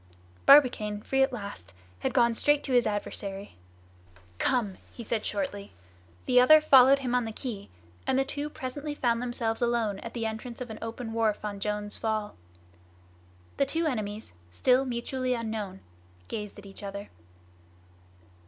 Barbicane, free at last, had gone straight at his adversary. "Come!" he said shortly. The other followed him on the quay; and the two presently found themselves alone at the entrance of an open wharf on Jones' Fall. The two enemies, still mutually unknown, gazed at each other.